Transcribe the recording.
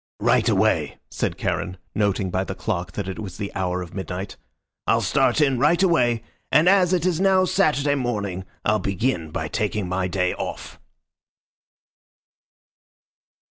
"Right away," said Charon, noting by the clock that it was the hour of midnight. "I'll start in right away, and as it is now Saturday morning, I'll begin by taking my day off."